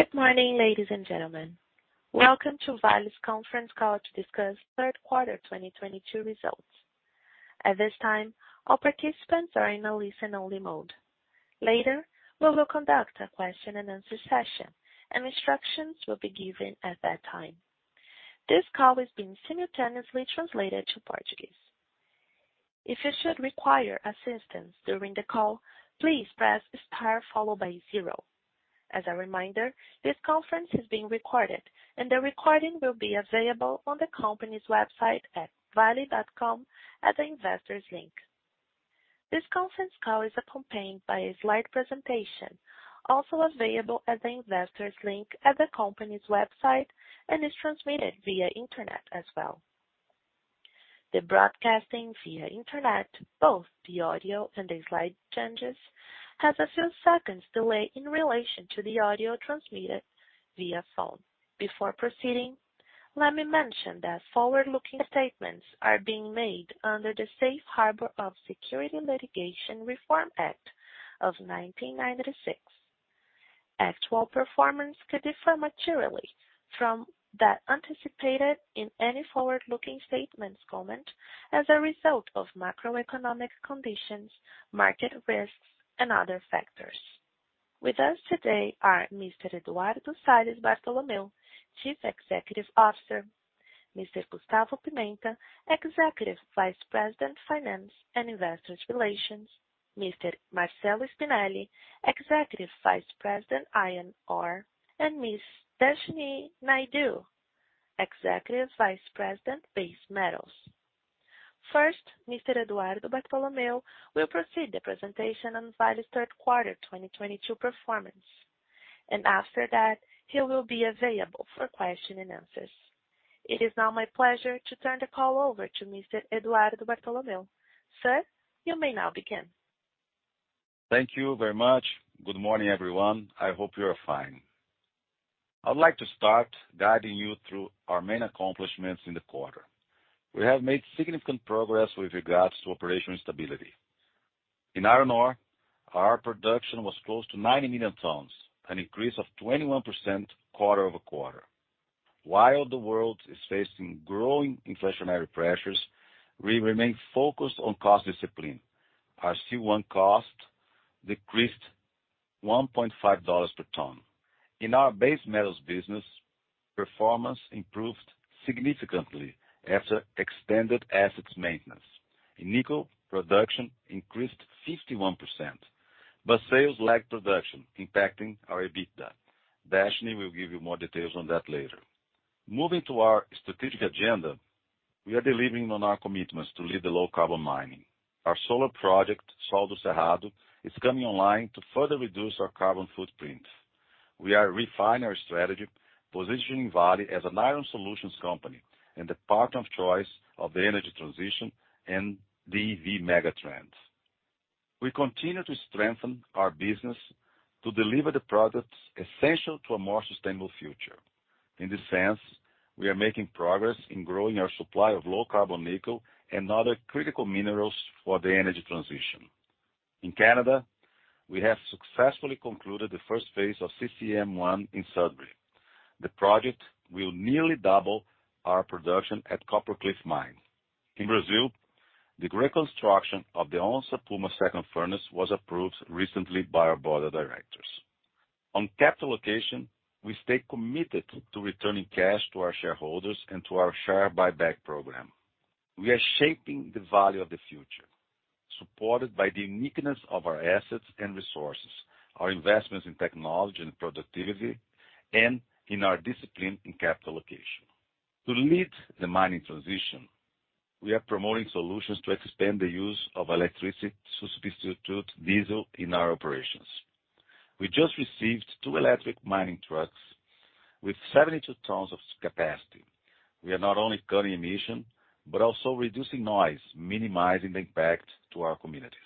Good morning, ladies and gentlemen. Welcome to Vale's conference call to discuss third quarter 2022 results. At this time, all participants are in a listen-only mode. Later, we will conduct a question-and-answer session, and instructions will be given at that time. This call is being simultaneously translated to Portuguese. If you should require assistance during the call, please press star followed by zero. As a reminder, this conference is being recorded, and the recording will be available on the company's website at vale.com at the investors link. This conference call is accompanied by a slide presentation, also available at the investors link at the company's website and is transmitted via internet as well. The broadcasting via internet, both the audio, and the slide changes, has a few seconds delay in relation to the audio transmitted via phone. Before proceeding, let me mention that forward-looking statements are being made under the safe harbor provisions of the Private Securities Litigation Reform Act of 1995. Actual performance could differ materially from that anticipated in any forward-looking statements as a result of macroeconomic conditions, market risks and other factors. With us today are Mr. Eduardo de Salles Bartolomeo, Chief Executive Officer, Mr. Gustavo Pimenta, Executive Vice President, Finance, and Investor Relations, Mr. Marcello Spinelli, Executive Vice President, Iron Ore, and Ms. Deshnee Naidoo, Executive Vice President, Base Metals. First, Mr. Eduardo Bartolomeo will proceed with the presentation on Vale's third quarter 2022 performance. After that, he will be available for questions and answers. It is now my pleasure to turn the call over to Mr. Eduardo Bartolomeo. Sir, you may now begin. Thank you very much. Good morning, everyone. I hope you are fine. I'd like to start guiding you through our main accomplishments in the quarter. We have made significant progress with regards to operational stability. In iron ore, our production was close to 90 million tons, an increase of 21% quarter-over-quarter. While the world is facing growing inflationary pressures, we remain focused on cost discipline. Our C1 cost decreased $1.5 per ton. In our base metals business, performance improved significantly after extended assets maintenance. In nickel, production increased 51%, but sales lagged production impacting our EBITDA. Deshnee Naidoo will give you more details on that later. Moving to our strategic agenda, we are delivering on our commitments to lead the low carbon mining. Our solar project, Sol do Cerrado, is coming online to further reduce our carbon footprint. We are refining our strategy, positioning Vale as an iron solutions company and the partner of choice of the energy transition and the EV megatrend. We continue to strengthen our business to deliver the products essential to a more sustainable future. In this sense, we are making progress in growing our supply of low carbon nickel and other critical minerals for the energy transition. In Canada, we have successfully concluded the first phase of Coleman Mine in Sudbury. The project will nearly double our production at Copper Cliff Mine. In Brazil, the reconstruction of the Onça Puma second furnace was approved recently by our board of directors. On capital allocation, we stay committed to returning cash to our shareholders and to our share buyback program. We are shaping the value of the future, supported by the uniqueness of our assets and resources, our investments in technology and productivity, and in our discipline in capital allocation. To lead the mining transition, we are promoting solutions to expand the use of electricity to substitute diesel in our operations. We just received two electric mining trucks with 72 tons of capacity. We are not only cutting emissions, but also reducing noise, minimizing the impact to our communities.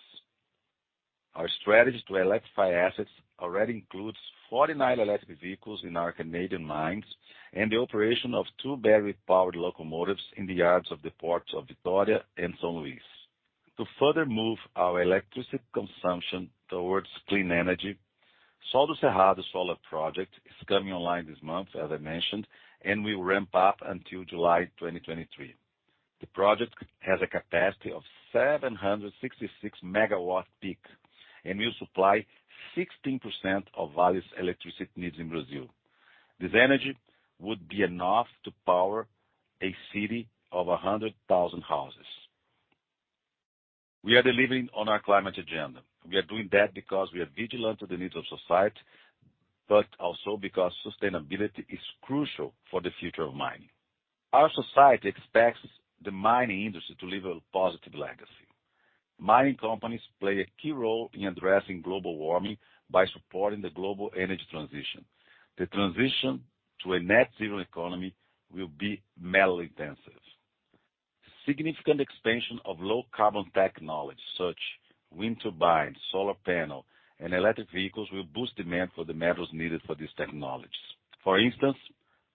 Our strategy to electrify assets already includes 49 electric vehicles in our Canadian mines and the operation of two battery-powered locomotives in the yards of the ports of Vitória and São Luís. To further move our electricity consumption towards clean energy, Sol do Cerrado solar project is coming online this month, as I mentioned, and will ramp up until July 2023. The project has a capacity of 766 mw peak and will supply 16% of Vale's electricity needs in Brazil. This energy would be enough to power a city of 100,000 houses. We are delivering on our climate agenda. We are doing that because we are vigilant to the needs of society, but also because sustainability is crucial for the future of mining. Our society expects the mining industry to leave a positive legacy. Mining companies play a key role in addressing global warming by supporting the global energy transition. The transition to a net zero economy will be metal intensive. Significant expansion of low carbon technology such as wind turbines, solar panels, and electric vehicles will boost demand for the metals needed for these technologies. For instance,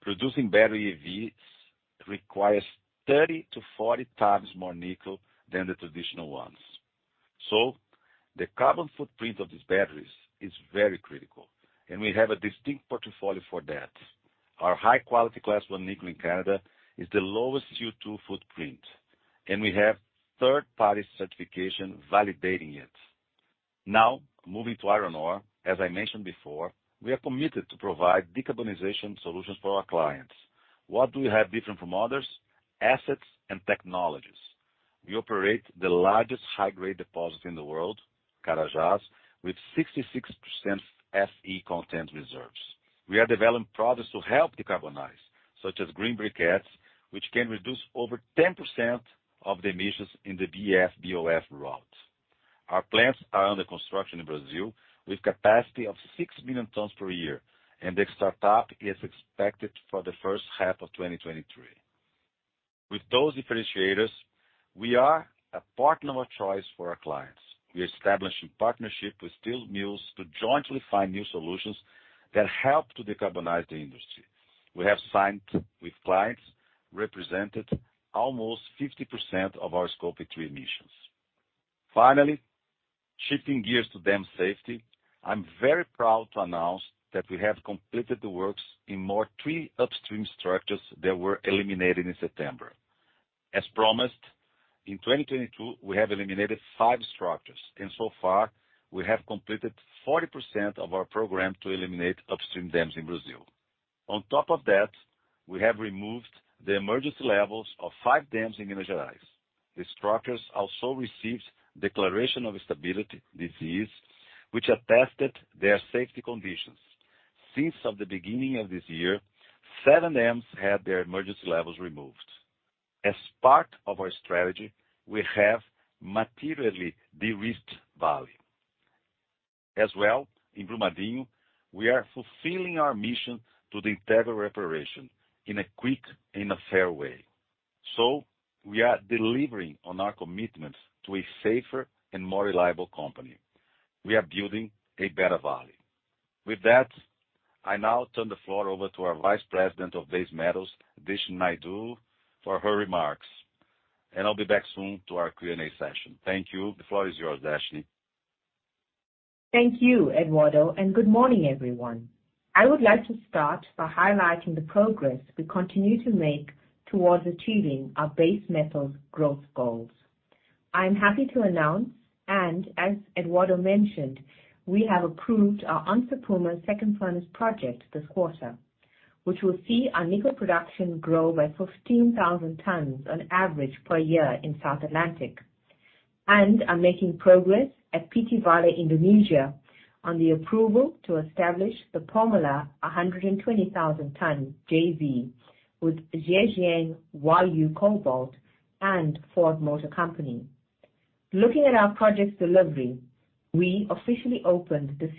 producing battery EVs requires 30-40 times more nickel than the traditional ones. The carbon footprint of these batteries is very critical, and we have a distinct portfolio for that. Our high quality Class 1 nickel in Canada is the lowest CO2 footprint, and we have third-party certification validating it. Now, moving to iron ore. As I mentioned before, we are committed to provide decarbonization solutions for our clients. What do we have different from others? Assets and technologies. We operate the largest high-grade deposit in the world, Carajás, with 66% FE content reserves. We are developing products to help decarbonize, such as green briquettes, which can reduce over 10% of the emissions in the BF-BOF route. Our plants are under construction in Brazil with capacity of six million tons per year, and the startup is expected for the first half of 2023. With those differentiators, we are a partner of choice for our clients. We established a partnership with steel mills to jointly find new solutions that help to decarbonize the industry. We have signed with clients represented almost 50% of our Scope 3 emissions. Finally, shifting gears to dam safety. I'm very proud to announce that we have completed the works in three more upstream structures that were eliminated in September. As promised, in 2022, we have eliminated five structures, and so far we have completed 40% of our program to eliminate upstream dams in Brazil. On top of that, we have removed the emergency levels of five dams in Minas Gerais. The structures also received declaration of stability, DS, which attested their safety conditions. Since the beginning of this year, seven dams had their emergency levels removed. As part of our strategy, we have materially de-risked Vale. As well in Brumadinho, we are fulfilling our mission to the integral reparation in a quick and a fair way. We are delivering on our commitment to a safer and more reliable company. We are building a better Vale. With that, I now turn the floor over to our Vice President of Base Metals, Deshnee Naidoo, for her remarks, and I'll be back soon to our Q&A session. Thank you. The floor is yours, Deshnee. Thank you, Eduardo, and good morning, everyone. I would like to start by highlighting the progress we continue to make towards achieving our base metal growth goals. I'm happy to announce, and as Eduardo mentioned, we have approved our Onça Puma second furnace project this quarter, which will see our nickel production grow by 15,000 tons on average per year in South Atlantic. We are making progress at PT Vale Indonesia on the approval to establish the Pomalaa 120,000-ton JV with Zhejiang Huayou Cobalt and Ford Motor Company. Looking at our projects delivery, we officially opened the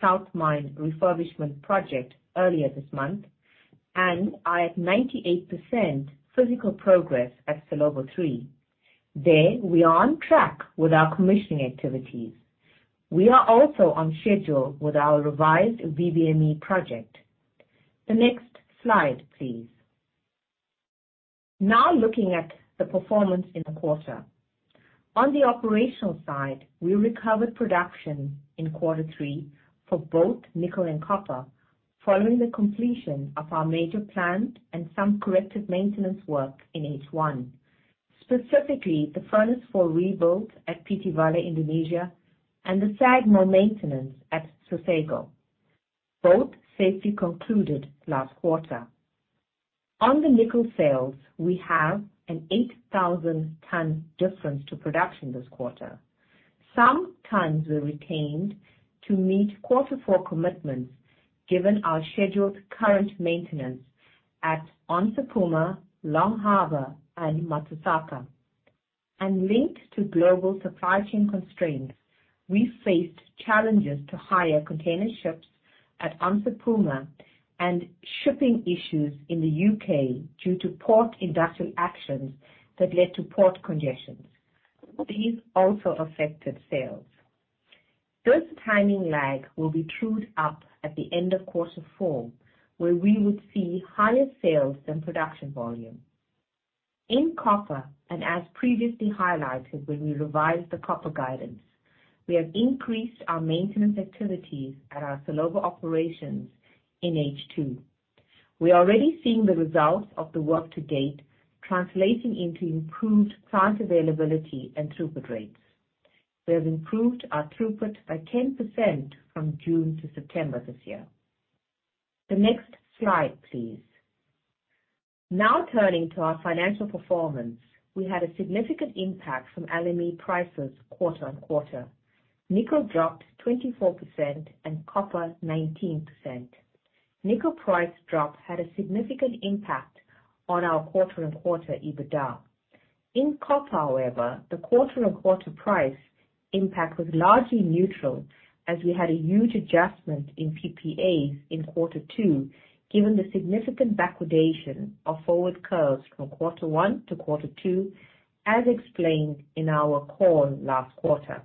Copper Cliff Mine Complex South refurbishment project earlier this month and are at 98% physical progress at Salobo III. There, we are on track with our commissioning activities. We are also on schedule with our revised Voisey's Bay Mine Expansion project. The next slide, please. Now looking at the performance in the quarter. On the operational side, we recovered production in quarter three for both nickel and copper following the completion of our major plant and some corrective maintenance work in H1, specifically the Furnace 4 rebuild at PT Vale Indonesia and the SAG mill maintenance at Sudbury. Both safely concluded last quarter. On the nickel sales, we have an 8,000-ton difference to production this quarter. Some tons were retained to meet quarter four commitments given our scheduled current maintenance at Onça Puma, Long Harbour and Matsusaka. Linked to global supply chain constraints, we faced challenges to hire container ships at Onça Puma and shipping issues in the U.K. due to port industrial actions that led to port congestions. These also affected sales. This timing lag will be trued up at the end of quarter four, where we would see higher sales than production volume. In copper, and as previously highlighted when we revised the copper guidance, we have increased our maintenance activities at our Salobo operations in H2. We are already seeing the results of the work to date translating into improved plant availability and throughput rates. We have improved our throughput by 10% from June to September this year. The next slide, please. Now turning to our financial performance. We had a significant impact from LME prices quarter-over-quarter. Nickel dropped 24% and copper 19%. Nickel price drop had a significant impact on our quarter-over-quarter EBITDA. In copper, however, the quarter-on-quarter price impact was largely neutral as we had a huge adjustment in PPAs in quarter two, given the significant backwardation of forward curves from quarter one to quarter two, as explained in our call last quarter.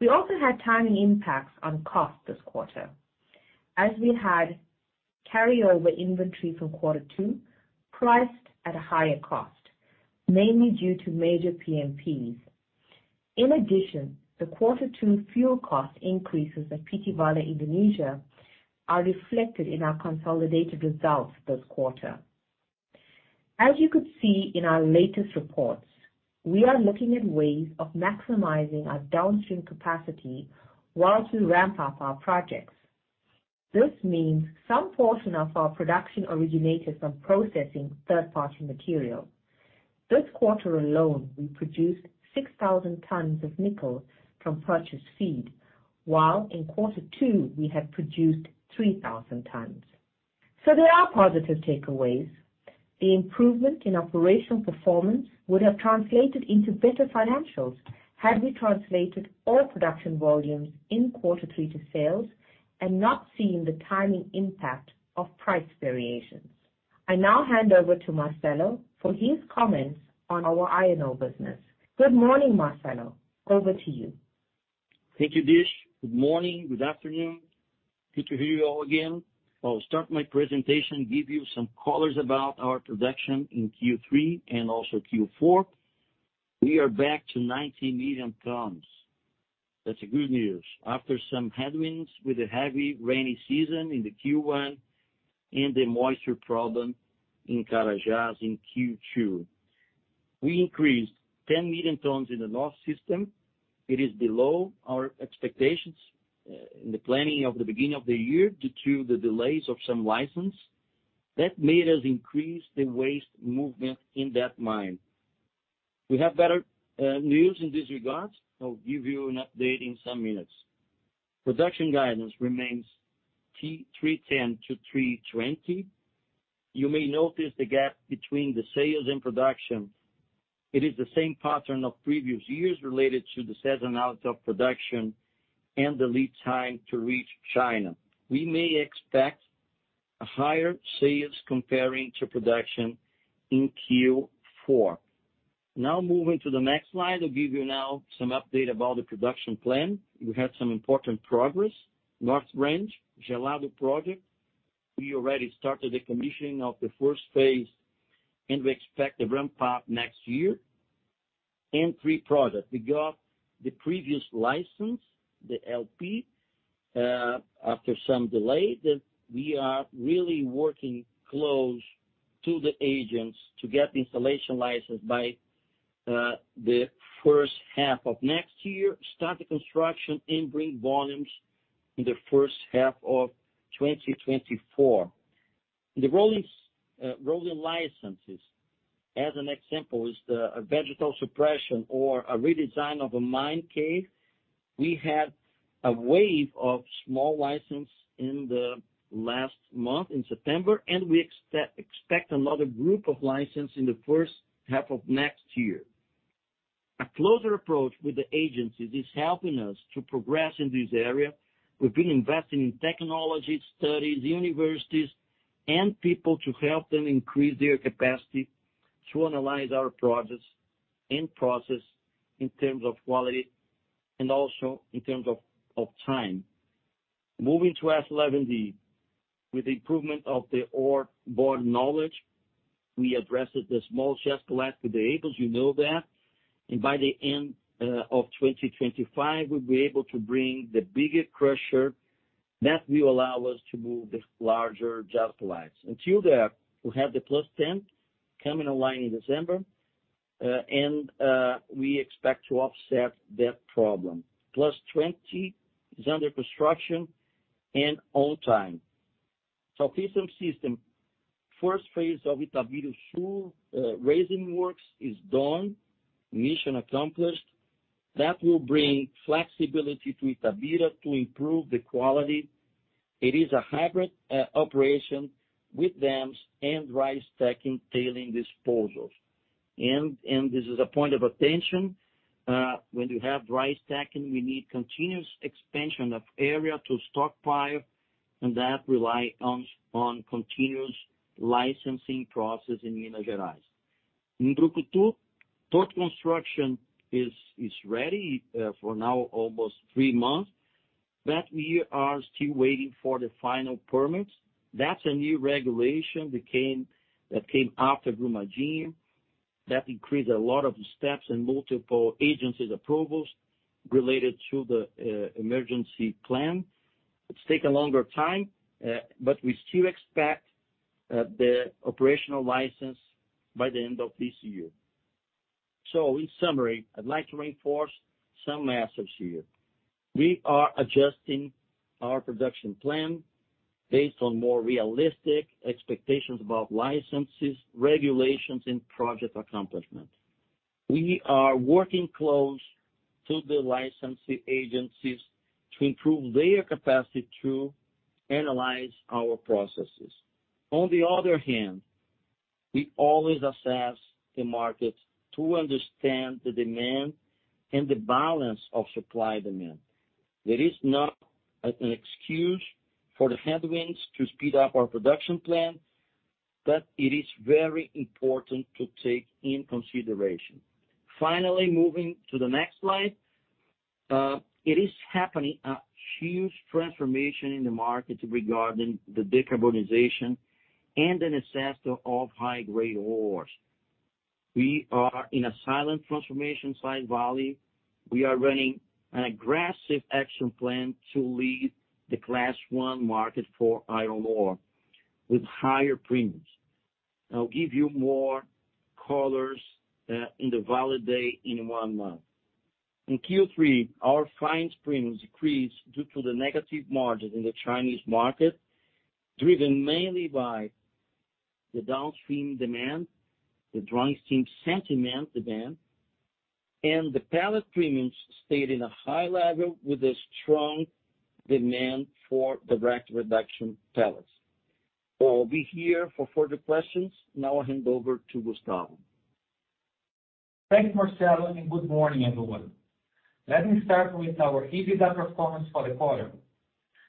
We also had timing impacts on cost this quarter as we had carry-over inventory from quarter two priced at a higher cost, mainly due to major PMPs. In addition, the quarter two fuel cost increases at Pomalaa, Indonesia are reflected in our consolidated results this quarter. As you could see in our latest reports, we are looking at ways of maximizing our downstream capacity while we ramp up our projects. This means some portion of our production originated from processing third-party material. This quarter alone, we produced 6,000 tons of nickel from purchased feed, while in quarter two we had produced 3,000 tons. There are positive takeaways. The improvement in operational performance would have translated into better financials had we translated all production volumes in quarter three to sales and not seen the timing impact of price variations. I now hand over to Marcello for his comments on our iron ore business. Good morning, Marcello. Over to you. Thank you, Deshnee. Good morning. Good afternoon. Good to hear you all again. I'll start my presentation, give you some colors about our production in Q3 and also Q4. We are back to 19 million tons. That's a good news. After some headwinds with the heavy rainy season in the Q1 and the moisture problem in Carajás in Q2. We increased 10 million tons in the north system. It is below our expectations in the planning of the beginning of the year due to the delays of some license. That made us increase the waste movement in that mine. We have better news in this regard. I'll give you an update in some minutes. Production guidance remains 310-320. You may notice the gap between the sales and production. It is the same pattern of previous years related to the seasonal of production and the lead time to reach China. We may expect a higher sales comparing to production in Q4. Now moving to the next slide. I'll give you now some update about the production plan. We had some important progress. North Range, Gelado project, we already started the commissioning of the first phase, and we expect to ramp up next year. N3 project. We got the previous license, the LP, after some delay that we are really working close to the agents to get the installation license by the first half of next year, start the construction and bring volumes in the first half of 2024. The rolling licenses as an example, is the vegetal suppression or a redesign of a mine cave. We had a wave of small licenses in the last month, in September, and we expect another group of licenses in the first half of next year. A closer approach with the agencies is helping us to progress in this area. We've been investing in technology, studies, universities, and people to help them increase their capacity to analyze our projects and process in terms of quality and also in terms of time. Moving to S11D. With the improvement of the Orebody Knowledge, we addressed the small jaw crusher last two days, you know that. By the end of 2025, we'll be able to bring the bigger crusher that will allow us to move the larger jaw crushers. Until then, we have the +10 coming online in December, and we expect to offset that problem. +20 is under construction and on time. Southeastern System. First phase of Itabira two raising works is done. Mission accomplished. That will bring flexibility to Itabira to improve the quality. It is a hybrid operation with dams and dry stacking tailings disposals. This is a point of attention when you have dry stacking. We need continuous expansion of area to stockpile, and that rely on continuous licensing process in Minas Gerais. In Brucutu, port construction is ready for now almost three months, but we are still waiting for the final permits. That's a new regulation that came after Brumadinho. That increased a lot of steps and multiple agencies approvals related to the emergency plan. It's taken longer time, but we still expect the operational license by the end of this year. In summary, I'd like to reinforce some messages here. We are adjusting our production plan based on more realistic expectations about licenses, regulations and project accomplishment. We are working closely with the licensing agencies to improve their capacity to analyze our processes. On the other hand, we always assess the market to understand the demand and the balance of supply and demand. There is no excuse for the headwinds to speed up our production plan. But it is very important to take into consideration. Finally, moving to the next slide. There is a huge transformation happening in the market regarding the decarbonization and the necessity of high-grade ores. We are in a silent transformation. It's Vale. We are running an aggressive action plan to lead the class one market for iron ore with higher premiums. I'll give you more color in the Vale Day in one month. In Q3, our fines premiums decreased due to the negative margin in the Chinese market, driven mainly by the downstream demand, the downstream sentiment demand. The pellet premiums stayed in a high level with a strong demand for direct reduction pellets. I'll be here for further questions. Now I hand over to Gustavo. Thanks, Marcelo, and good morning, everyone. Let me start with our EBITDA performance for the quarter.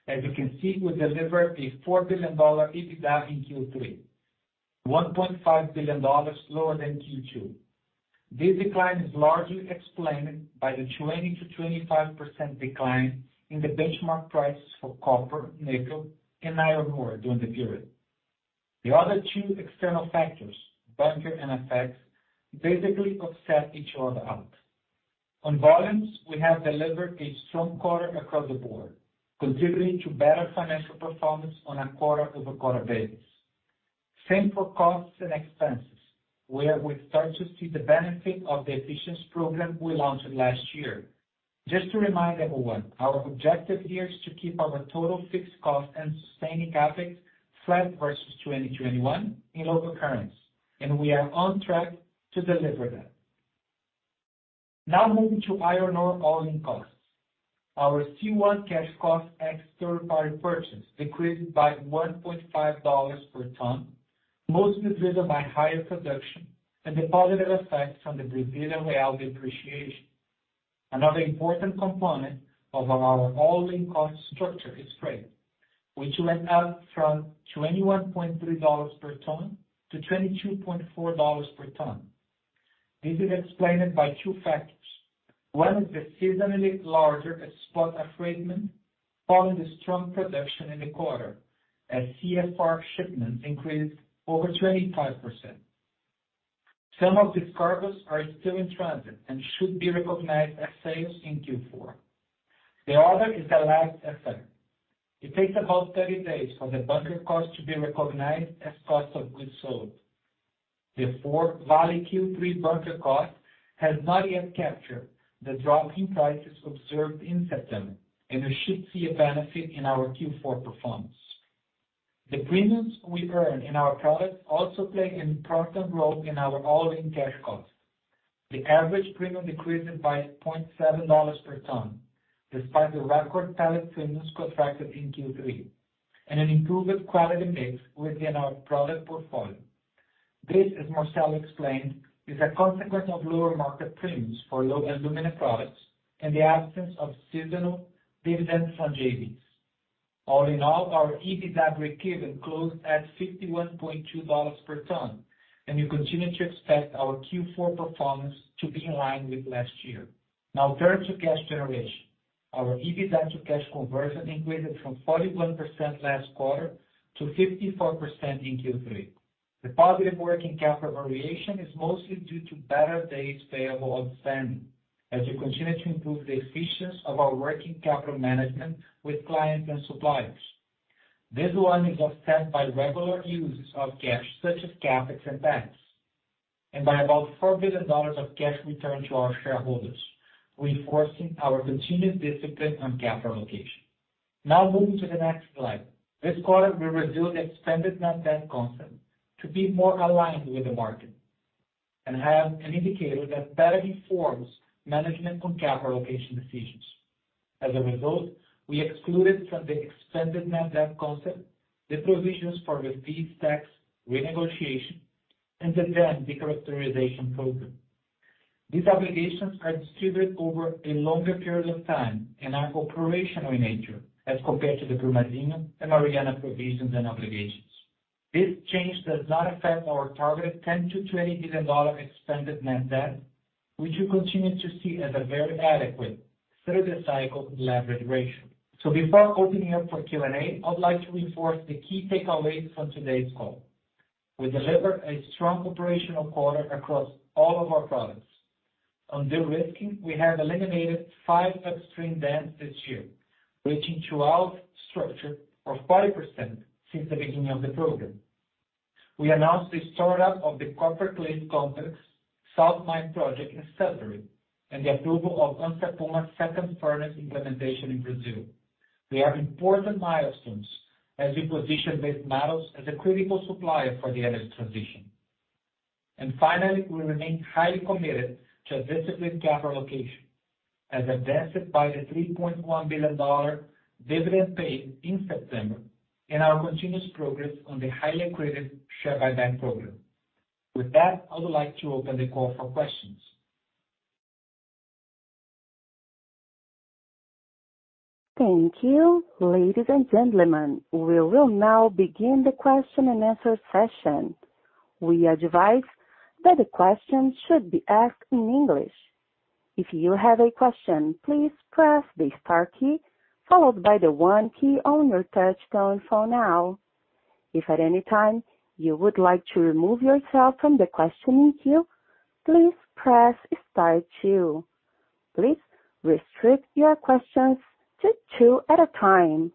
As you can see, we delivered a $4 billion EBITDA in Q3. $1.5 billion lower than Q2. This decline is largely explained by the 20%-25% decline in the benchmark prices for copper, nickel and iron ore during the period. The other two external factors, bunker and FX, basically offset each other out. On volumes, we have delivered a strong quarter across the board, contributing to better financial performance on a quarter-over-quarter basis. Same for costs and expenses, where we start to see the benefit of the efficiency program we launched last year. Just to remind everyone, our objective here is to keep our total fixed cost and sustaining CapEx flat versus 2021 in local currency, and we are on track to deliver that. Now moving to iron ore all-in costs. Our C1 cash cost ex-third party purchase decreased by $1.5 per ton, mostly driven by higher production and the positive effects from the Brazilian real depreciation. Another important component of our all-in cost structure is freight, which went up from $21.3 per ton to $22.4 per ton. This is explained by two factors. One is the seasonally larger spot freight demand following the strong production in the quarter, as CFR shipments increased over 25%. Some of these cargoes are still in transit and should be recognized as sales in Q4. The other is the lag effect. It takes about 30 days for the bunker cost to be recognized as cost of goods sold. Therefore, Vale Q3 bunker cost has not yet captured the drop in prices observed in September, and we should see a benefit in our Q4 performance. The premiums we earn in our products also play an important role in our all-in cash costs. The average premium decreased by $0.7 per ton, despite the record pellet premiums contracted in Q3 and an improved quality mix within our product portfolio. This, as Marcello explained, is a consequence of lower market premiums for low alumina products and the absence of seasonal dividends from JVs. All in all, our EBITDA recurring closed at $51.2 per ton, and we continue to expect our Q4 performance to be in line with last year. Now turn to cash generation. Our EBITDA to cash conversion increased from 41% last quarter to 54% in Q3. The positive working capital variation is mostly due to better days payable outstanding, as we continue to improve the efficiency of our working capital management with clients and suppliers. This one is offset by regular uses of cash such as CapEx and debts, and by about $4 billion of cash returned to our shareholders, reinforcing our continued discipline on capital allocation. Now moving to the next slide. This quarter, we reviewed the expanded net debt concept to be more aligned with the market and have an indicator that better informs management on capital allocation decisions. As a result, we excluded from the expanded net debt concept the provisions for the CFEM tax renegotiation and the dam decarbonization program. These obligations are distributed over a longer period of time and are operational in nature as compared to the Brumadinho and Mariana provisions and obligations. This change does not affect our target $10 billion-$20 billion expanded net debt, which we continue to see as a very adequate through-the-cycle leverage ratio. Before opening up for Q&A, I would like to reinforce the key takeaways from today's call. We delivered a strong operational quarter across all of our products. On de-risking, we have eliminated five upstream dams this year, reaching target structure of 40% since the beginning of the program. We announced the start-up of the Copper Cliff Mine Complex South in Sudbury, and the approval of Onça Puma's second furnace implementation in Brazil. They are important milestones as we position these metals as a critical supplier for the energy transition. Finally, we remain highly committed to a disciplined capital allocation, as evidenced by the $3.1 billion dividend paid in September and our continuous progress on the highly accretive share buyback program. With that, I would like to open the call for questions. Thank you. Ladies and gentlemen, we will now begin the question-and-answer session. We advise that the questions should be asked in English. If you have a question, please press the star key followed by the one key on your touchtone phone now. If at any time you would like to remove yourself from the questioning queue, please press star two. Please restrict your questions to two at a time.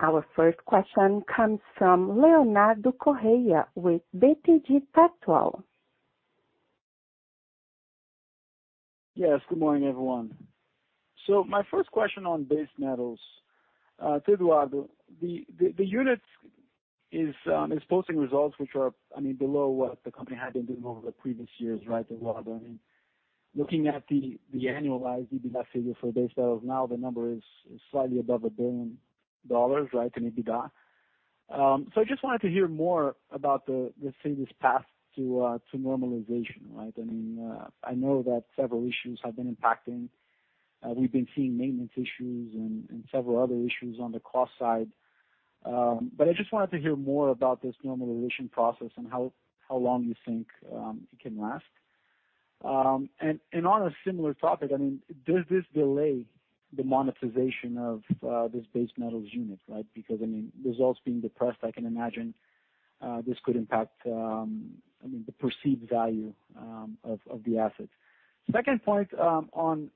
Our first question comes from Leonardo Correa with BTG Pactual. Yes, good morning, everyone. My first question on base metals to Eduardo. The unit is posting results which are, I mean, below what the company had been doing over the previous years, right, Eduardo? I mean, looking at the annualized EBITDA figure for base metal now the number is slightly above $1 billion, right, in EBITDA. I just wanted to hear more about the, let's say, this path to normalization, right? I mean, I know that several issues have been impacting. We've been seeing maintenance issues and several other issues on the cost side. I just wanted to hear more about this normalization process and how long you think it can last. On a similar topic, I mean, does this delay the monetization of this base metals unit, right? Because, I mean, results being depressed, I can imagine this could impact, I mean, the perceived value of the assets. Second point, on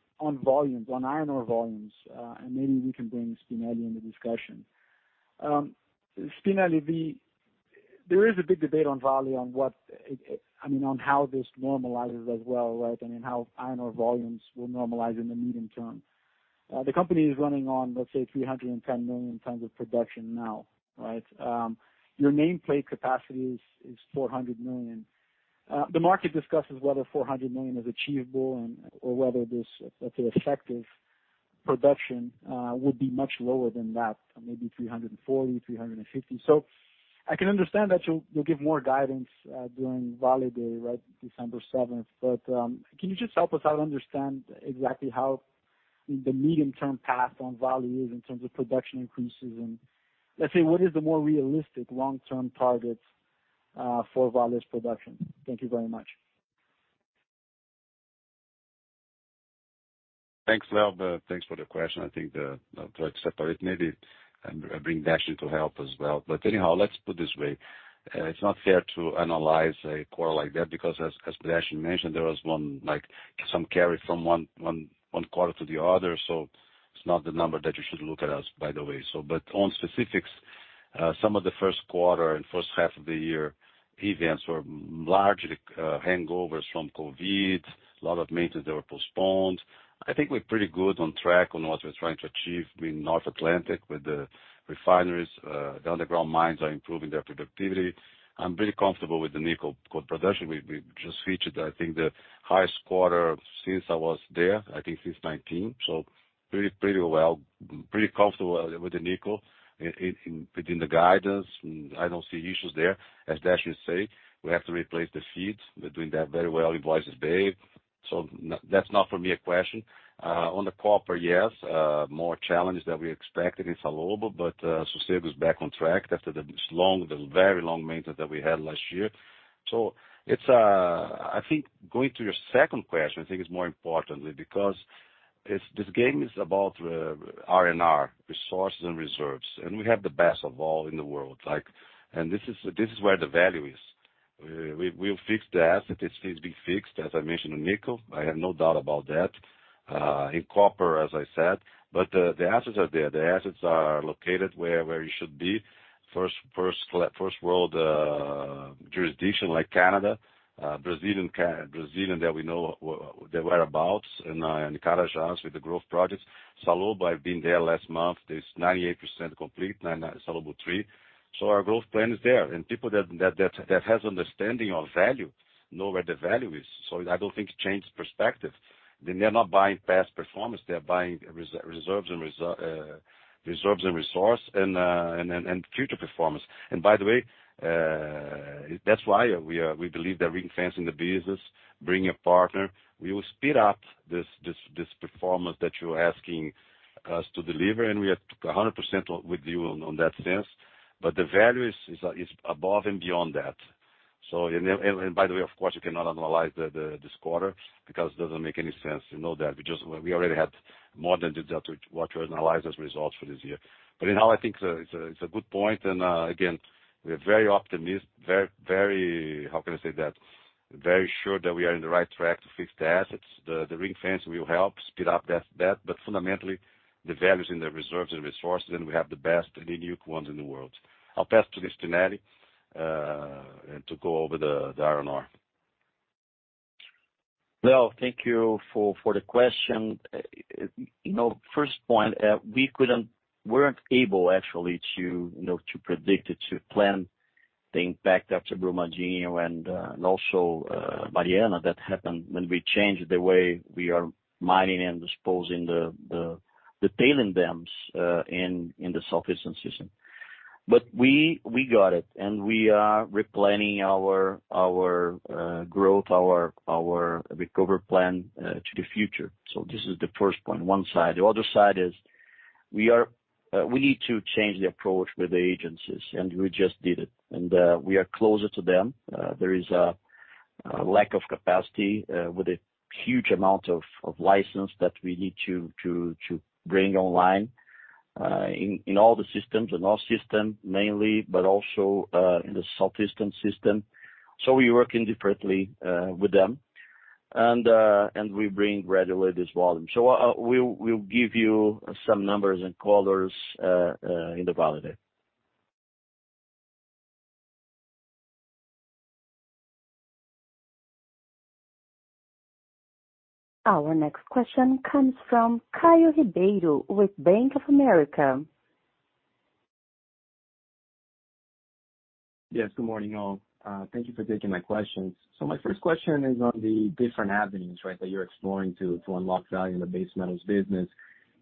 volumes, on iron ore volumes, and maybe we can bring Spinelli in the discussion. Spinelli, there is a big debate on Vale on how this normalizes as well, right? I mean, how iron ore volumes will normalize in the medium term. The company is running on, let's say, 310 million tons of production now, right? Your nameplate capacity is 400 million. The market discusses whether 400 million is achievable and/or whether this, let's say, effective production, would be much lower than that, maybe 340, 350. I can understand that you'll give more guidance during Vale Day, right, December 7th. Can you just help us out understand exactly how the medium-term path on Vale is in terms of production increases and, let's say, what is the more realistic long-term targets for Vale's production? Thank you very much. Thanks, Leonardo. Thanks for the question. I think I'll try to separate maybe and bring Deshnee Naidoo to help as well. Anyhow, let's put this way. It's not fair to analyze a quarter like that because as Deshnee Naidoo mentioned, there was one, like, some carry from one quarter to the other. It's not the number that you should look at as, by the way. On specifics, some of the first quarter and first half of the year events were largely hangovers from COVID, a lot of maintenance that were postponed. I think we're pretty good on track on what we're trying to achieve in North Atlantic with the refineries. The underground mines are improving their productivity. I'm pretty comfortable with the nickel production. We just finished, I think, the highest quarter since I was there, I think since 2019. Pretty comfortable with the nickel within the guidance. I don't see issues there. As Deshnee say, we have to replace the fleet. We're doing that very well in Voisey's Bay. That's not for me a question. On the copper, yes, more challenges than we expected in Salobo, but Sossego is back on track after the very long maintenance that we had last year. It's going to your second question, I think it's more importantly because this game is about R&R, resources and reserves, and we have the best of all in the world. This is where the value is. We'll fix the asset. It needs to be fixed, as I mentioned in nickel. I have no doubt about that. In copper, as I said, but the assets are there. The assets are located where you should be. First world jurisdiction like Canada, Brazilian that we know the whereabouts in Carajás with the growth projects. Salobo, I've been there last month, is 98% complete, Salobo III. Our growth plan is there. People that has understanding of value know where the value is. I don't think it changes perspective. They're not buying past performance, they're buying reserves and resource and future performance. By the way, that's why we believe that ring-fencing the business, bringing a partner, we will speed up this performance that you're asking us to deliver, and we are 100% with you on that sense. But the value is above and beyond that. By the way, of course, you cannot analyze this quarter because it doesn't make any sense. You know that. We already had more than what you analyze as results for this year. But anyhow, I think it's a good point. Again, we're very, very, how can I say that? Very sure that we are in the right track to fix the assets. The ring-fence will help speed up that, but fundamentally the value's in the reserves and resources, and we have the best and unique ones in the world. I'll pass to Spinelli to go over the R&R. Leonardo, thank you for the question. You know, first point, we weren't able actually to predict it, to plan the impact after Brumadinho and also Mariana that happened when we changed the way we are mining and disposing the tailings dams in the Southeastern transition. We got it and we are replanning our growth, our recovery plan to the future. This is the first point, on one side. The other side is we need to change the approach with the agencies, and we just did it. We are closer to them. There is a lack of capacity with a huge amount of licenses that we need to bring online in all the systems, in our system mainly, but also in the Southeastern System. We work differently with them. We bring regularly this volume. We'll give you some numbers and colors in the Vale Day. Our next question comes from Caio Ribeiro with Bank of America. Yes, good morning, all. Thank you for taking my questions. My first question is on the different avenues, right, that you're exploring to unlock value in the base metals business.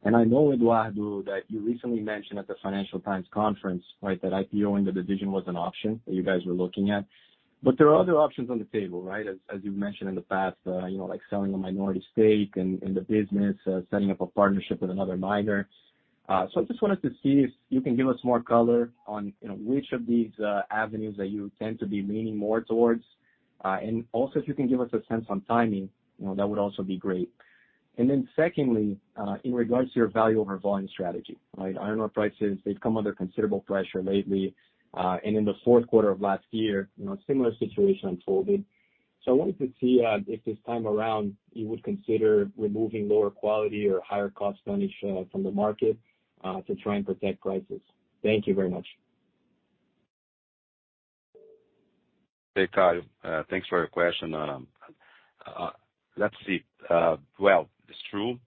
I know, Eduardo, that you recently mentioned at the Financial Times conference, right, that IPO-ING the division was an option that you guys were looking at. There are other options on the table, right? As you've mentioned in the past, you know, like selling a minority stake in the business, setting up a partnership with another miner. I just wanted to see if you can give us more color on, you know, which of these avenues that you tend to be leaning more towards. Also if you can give us a sense on timing, you know, that would also be great. Secondly, in regards to your value over volume strategy, right? Iron ore prices, they've come under considerable pressure lately. In the fourth quarter of last year, you know, similar situation unfolded. I wanted to see if this time around you would consider removing lower quality or higher cost tonnage from the market to try and protect prices. Thank you very much. Hey, Caio, thanks for your question. Well, it's true.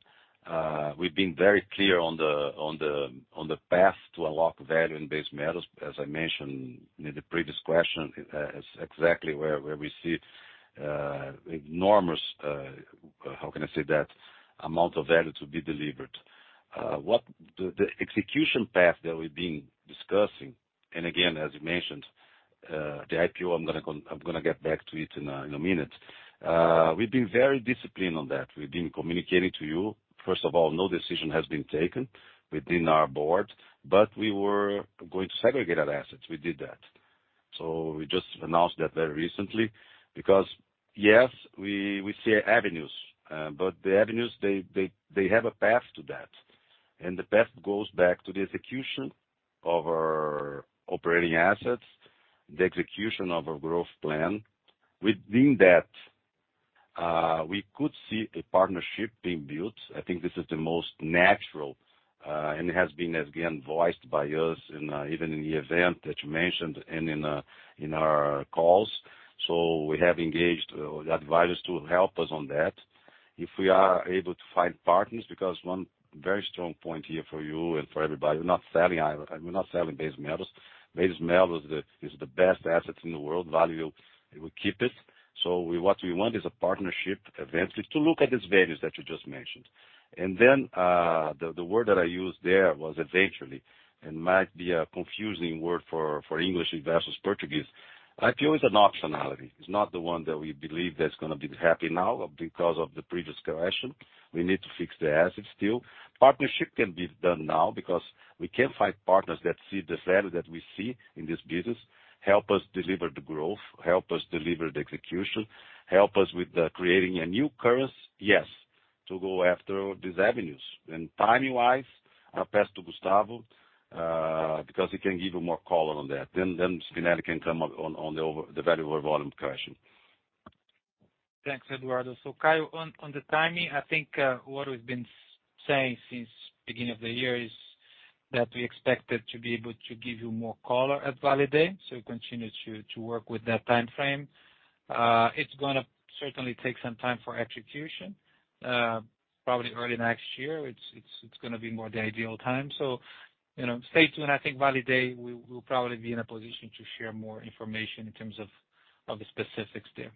We've been very clear on the path to unlock value in base metals. As I mentioned in the previous question, is exactly where we see enormous, how can I say that? Amount of value to be delivered. The execution path that we've been discussing, and again, as you mentioned, the IPO, I'm gonna get back to it in a minute. We've been very disciplined on that. We've been communicating to you. First of all, no decision has been taken within our board, but we were going to segregate our assets. We did that. We just announced that very recently because yes, we see avenues, but the avenues, they have a path to that. The path goes back to the execution of our operating assets, the execution of our growth plan. Within that, we could see a partnership being built. I think this is the most natural, and has been, again, voiced by us in, even in the event that you mentioned and in our calls. We have engaged the advisors to help us on that. If we are able to find partners, because one very strong point here for you and for everybody, we're not selling iron, and we're not selling base metals. Base metal is the best asset in the world, Vale, we keep it. What we want is a partnership eventually to look at these values that you just mentioned. The word that I used there was eventually, and might be a confusing word for English investors, Portuguese. IPO is an optionality. It's not the one that we believe that's gonna be happening now because of the previous correction. We need to fix the assets still. Partnership can be done now because we can find partners that see this value that we see in this business, help us deliver the growth, help us deliver the execution, help us with creating a new course to go after these avenues. Timing wise, I'll pass to Gustavo because he can give you more color on that. Then Spinelli can come up on the value over volume correction. Thanks, Eduardo. Caio, on the timing, I think what we've been saying since beginning of the year is that we expected to be able to give you more color at Vale Day, so we continue to work with that timeframe. It's gonna certainly take some time for execution, probably early next year. It's gonna be more the ideal time. You know, stay tuned. I think Vale Day, we will probably be in a position to share more information in terms of the specifics there.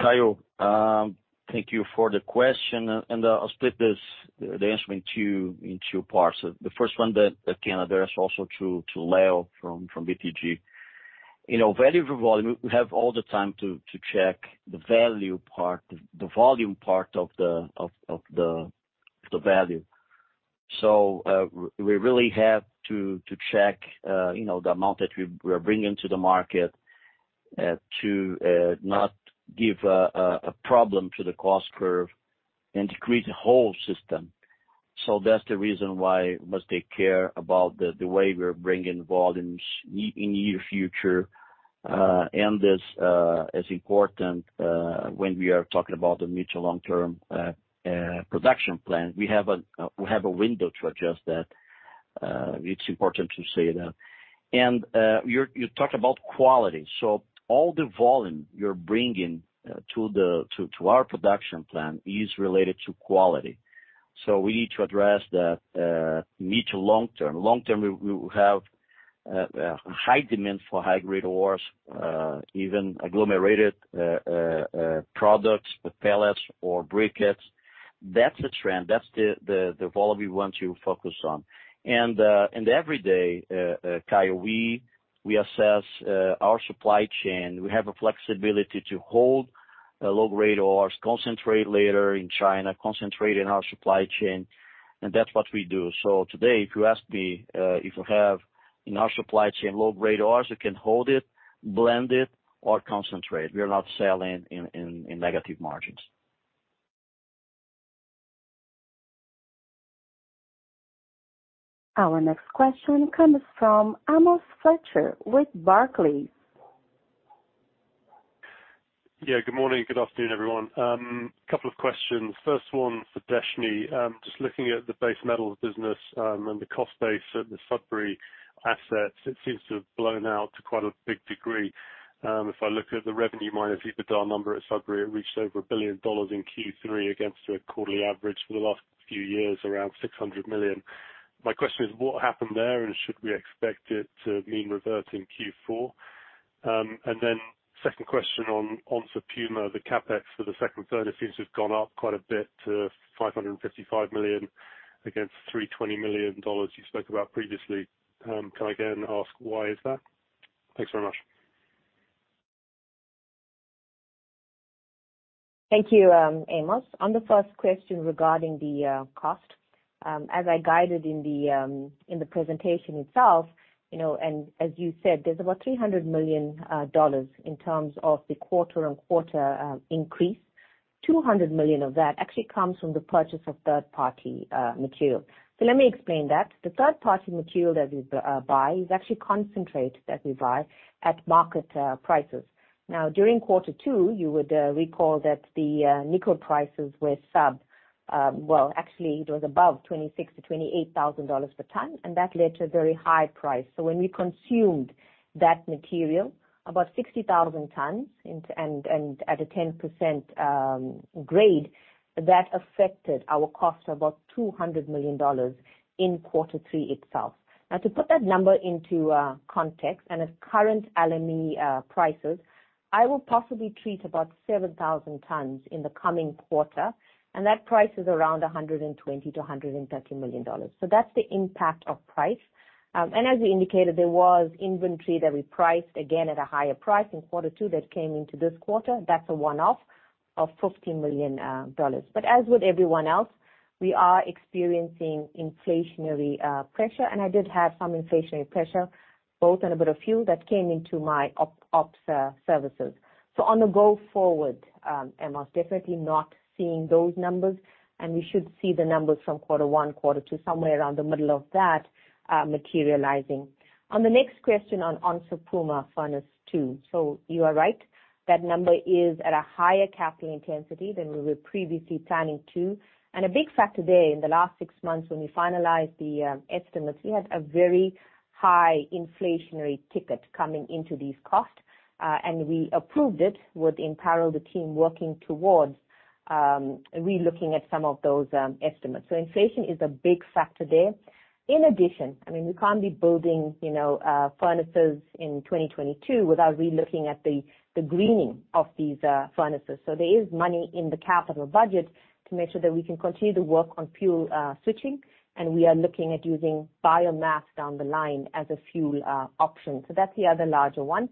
Caio, thank you for the question, and I'll split the answer in two parts. The first one that can address also to Leonardo from BTG. You know, value over volume, we have all the time to check the value part, the volume part of the value. We really have to check, you know, the amount that we're bringing to the market, to not give a problem to the cost curve and to create a whole system. That's the reason why we must take care about the way we're bringing volumes in near future. This is important when we are talking about the mutual long-term production plan. We have a window to adjust that. It's important to say that. You talked about quality. All the volume you're bringing to our production plan is related to quality. We need to address that mutual long term. Long term, we have High demand for high-grade ores, even agglomerated products with pellets or briquettes. That's a trend. That's the volume we want to focus on. Every day, Caio, we assess our supply chain. We have a flexibility to hold low-grade ores, concentrate later in China, concentrate in our supply chain, and that's what we do. Today, if you ask me, if we have in our supply chain low-grade ores, we can hold it, blend it, or concentrate. We are not selling in negative margins. Our next question comes from Amos Fletcher with Barclays. Yeah. Good morning. Good afternoon, everyone. Couple of questions. First one for Deshnee Naidoo. Just looking at the base metals business, and the cost base at the Sudbury assets, it seems to have blown out to quite a big degree. If I look at the revenue minus EBITDA number at Sudbury, it reached over $1 billion in Q3 against a quarterly average for the last few years, around $600 million. My question is, what happened there? Should we expect it to mean revert in Q4? Second question on Onça Puma, the CapEx for the second and third, it seems to have gone up quite a bit to $555 million against $320 million dollars you spoke about previously. Can I again ask why is that? Thanks very much. Thank you, Amos. On the first question regarding the cost, as I guided in the presentation itself, you know, and as you said, there's about $300 million in terms of the quarter-on-quarter increase. $200 million of that actually comes from the purchase of third-party material. Let me explain that. The third-party material that we buy is actually concentrate that we buy at market prices. Now, during quarter two, you would recall that the nickel prices were... Well, actually, it was above $26,000-$28,000 per ton, and that led to a very high price. When we consumed that material, about 60,000 tons at a 10% grade, that affected our cost of about $200 million in quarter three itself. Now to put that number into context and as current LME prices, I will possibly treat about 7,000 tons in the coming quarter, and that price is around $120 million-$130 million. That's the impact of price. And as we indicated, there was inventory that we priced again at a higher price in quarter two that came into this quarter. That's a one-off of $15 million dollars. As with everyone else, we are experiencing inflationary pressure, and I did have some inflationary pressure both on a bit of fuel that came into my Opex services. Going forward, Amos, definitely not seeing those numbers, and we should see the numbers from quarter one, quarter two, somewhere around the middle of that materializing. On the next question, on Onça Puma Furnace Two. You are right, that number is at a higher capital intensity than we were previously planning to. A big factor there in the last six months when we finalized the estimates, we had a very high inflationary uptick coming into these costs, and we approved it with, in parallel, the team working towards relooking at some of those estimates. Inflation is a big factor there. In addition, I mean, we can't be building, you know, furnaces in 2022 without relooking at the greening of these furnaces. There is money in the capital budget to make sure that we can continue to work on fuel switching, and we are looking at using biomass down the line as a fuel option. That's the other larger one.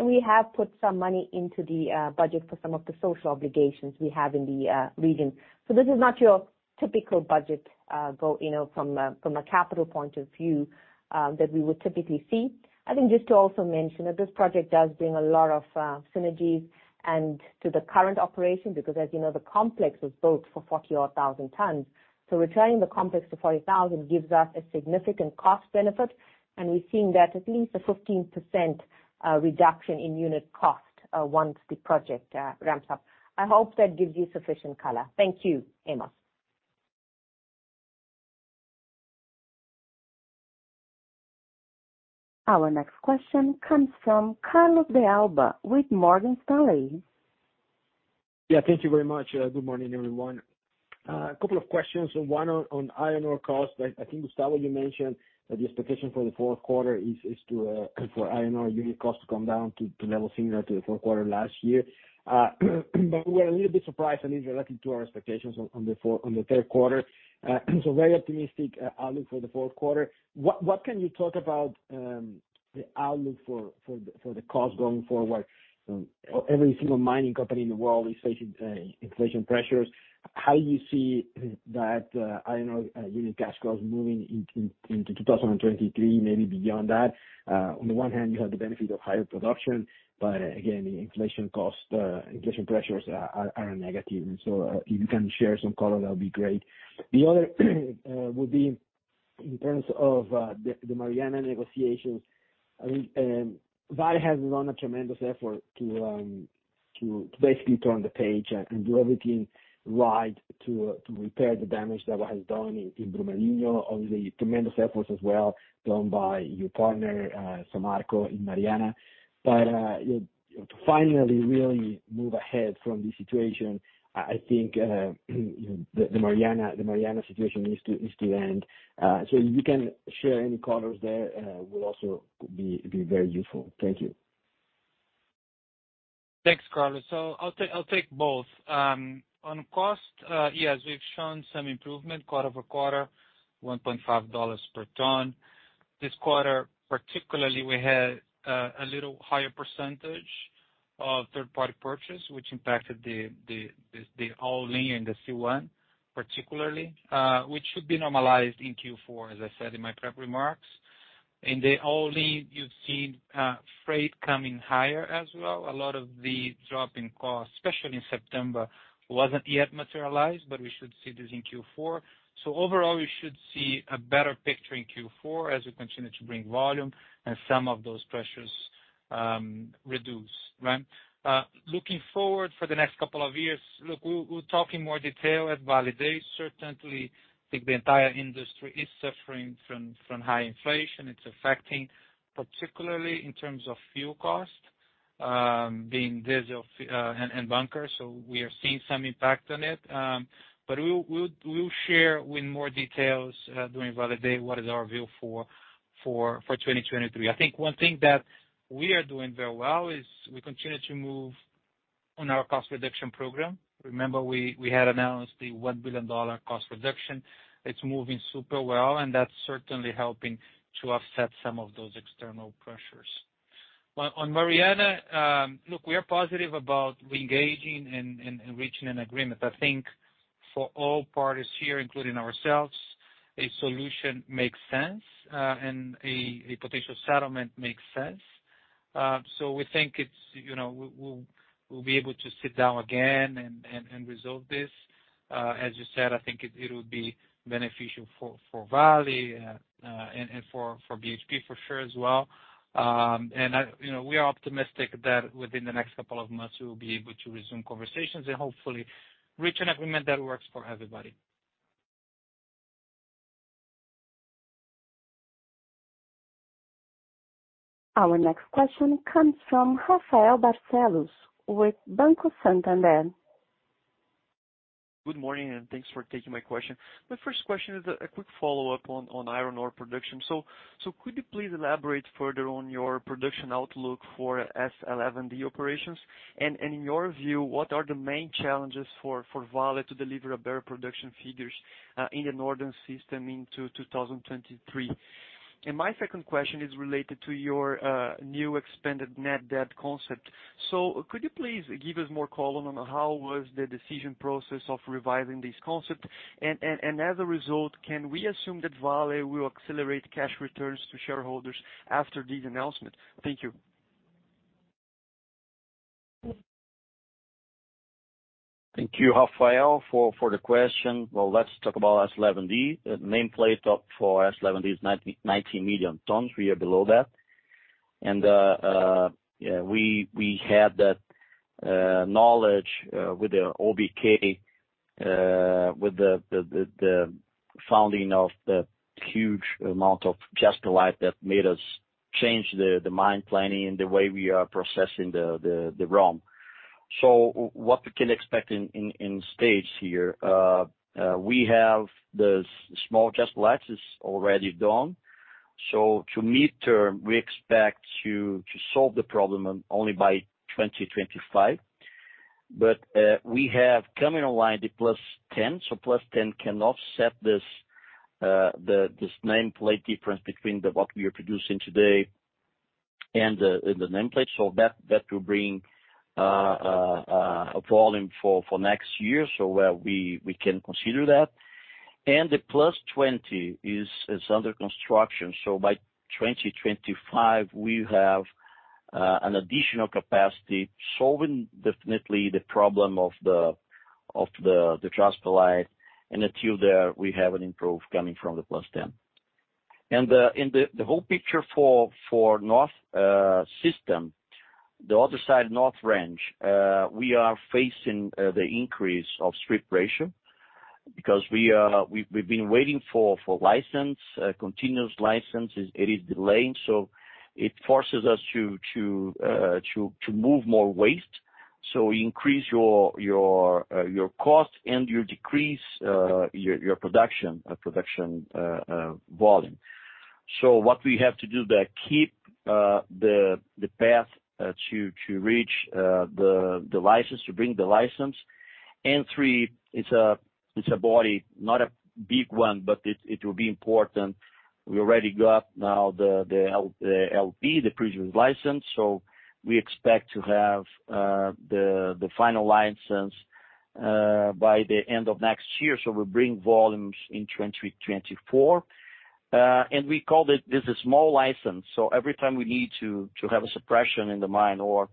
We have put some money into the budget for some of the social obligations we have in the region. This is not your typical budget, you know, from a capital point of view, that we would typically see. I think just to also mention that this project does bring a lot of synergies and to the current operation, because as you know, the complex was built for 40,000 tons. Returning the complex to 40,000 gives us a significant cost benefit, and we're seeing that at least a 15% reduction in unit cost once the project ramps up. I hope that gives you sufficient color. Thank you, Amos. Our next question comes from Carlos de Alba with Morgan Stanley. Yeah. Thank you very much. Good morning, everyone. A couple of questions. One on iron ore costs. I think, Gustavo, you mentioned that the expectation for the fourth quarter is to for iron ore unit cost to come down to levels similar to the fourth quarter last year. But we're a little bit surprised relative to our expectations on the third quarter. Very optimistic outlook for the fourth quarter. What can you talk about the outlook for the costs going forward? Every single mining company in the world is facing inflation pressures. How you see that iron ore unit cash costs moving into 2023, maybe beyond that? On the one hand, you have the benefit of higher production, but again, the inflation costs, inflation pressures are negative. If you can share some color, that'd be great. The other would be in terms of the Mariana negotiations. I mean, Vale has done a tremendous effort to basically turn the page and do everything right to repair the damage that was done in Brumadinho. Obviously, tremendous efforts as well done by your partner, Samarco in Mariana. To finally really move ahead from this situation, I think, you know, the Mariana situation needs to end. If you can share any colors there, will also be very useful. Thank you. Thanks, Carlos. I'll take both. On cost, yes, we've shown some improvement quarter-over-quarter, $1.5 per ton. This quarter, particularly, we had a little higher percentage of third-party purchase, which impacted the all-in, the C1, particularly, which should be normalized in Q4, as I said in my prepared remarks. In the all-in, you've seen freight coming higher as well. A lot of the drop in cost, especially in September, wasn't yet materialized, but we should see this in Q4. Overall, we should see a better picture in Q4 as we continue to bring volume and some of those pressures reduce. Right? Looking forward for the next couple of years, we'll talk in more detail at Vale Day. Certainly, I think the entire industry is suffering from high inflation. It's affecting, particularly in terms of fuel cost, being diesel, fuel, and bunker. We are seeing some impact on it. We'll share with more details during Vale Day what is our view for 2023. I think one thing that we are doing very well is we continue to move on our cost reduction program. Remember, we had announced the $1 billion cost reduction. It's moving super well, and that's certainly helping to offset some of those external pressures. On Mariana, look, we are positive about reengaging and reaching an agreement. I think for all parties here, including ourselves, a solution makes sense, and a potential settlement makes sense. We think it's, you know, we'll be able to sit down again and resolve this. As you said, I think it would be beneficial for Vale and for BHP for sure as well. You know, we are optimistic that within the next couple of months we will be able to resume conversations and hopefully reach an agreement that works for everybody. Our next question comes from Rafael Barcellos with Banco Santander. Good morning, and thanks for taking my question. My first question is a quick follow-up on iron ore production. So could you please elaborate further on your production outlook for S11D operations? And in your view, what are the main challenges for Vale to deliver a better production figures in the Northern System into 2023? And my second question is related to your new expanded net debt concept. So could you please give us more color on how was the decision process of revising this concept? And as a result, can we assume that Vale will accelerate cash returns to shareholders after this announcement? Thank you. Thank you, Rafael, for the question. Well, let's talk about S11D. The nameplate capacity for S11D is 19 million tons. We are below that. Yeah, we had that knowledge with the OBK with the founding of the huge amount of jaspilite that made us change the mine planning and the way we are processing the ROM. What we can expect in stages here, we have the small jaspilite is already done. In the medium term, we expect to solve the problem only by 2025. We have coming online the +10, so +10 can offset this nameplate difference between what we are producing today and the nameplate, so that will bring a volume for next year. We can consider that. The +20 is under construction. By 2025, we have an additional capacity solving definitely the problem of the jaspilite. Until there, we have an improvement coming from the +10. The whole picture for North system, the other side, North Range, we are facing the increase of strip ratio because we've been waiting for continuous license. It is delayed, so it forces us to move more waste. Increase your cost and you decrease your production volume. What we have to do is keep the path to reach the license to bring the license. N3 is an orebody, not a big one, but it will be important. We already got now the LP, the previous license, so we expect to have the final license by the end of next year. We bring volumes in 2024. We call it this a small license, so every time we need to have a suppression in the mine or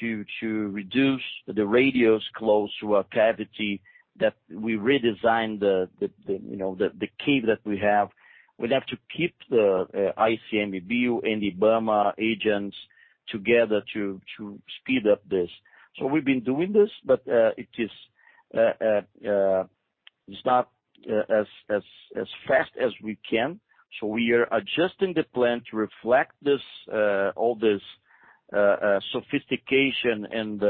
to reduce the radius close to a cavity that we redesign the you know the cave that we have, we have to keep the ICMM view and the IBAMA agents together to speed up this. We've been doing this, but it's not as fast as we can. We are adjusting the plan to reflect this all this sophistication and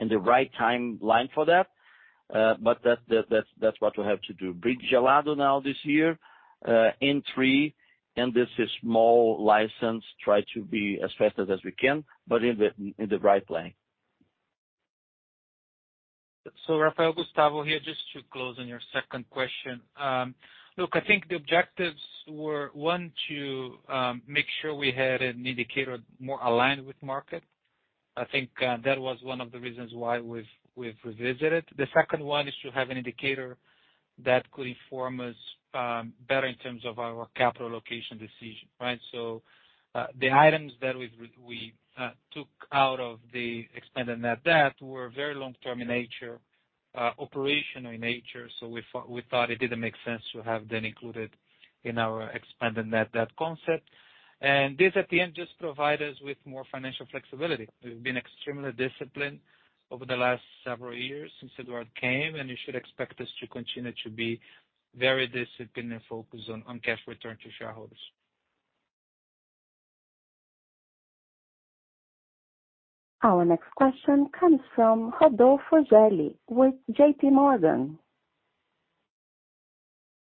in the right timeline for that. But that's what we have to do. Bring Gelado now this year in three, and this is small license, try to be as fast as we can, but in the right lane. Rafael, Gustavo here, just to close on your second question. I think the objectives were, one, to make sure we had an indicator more aligned with market. I think that was one of the reasons why we've revisited. The second one is to have an indicator that could inform us better in terms of our capital allocation decision, right? The items that we took out of the expanded net debt were very long-term in nature, operational in nature. We thought it didn't make sense to have them included in our expanded net debt concept. This at the end just provide us with more financial flexibility. We've been extremely disciplined over the last several years since Eduardo came, and you should expect us to continue to be very disciplined and focused on cash return to shareholders. Our next question comes from Rodolfo de Angele with JPMorgan.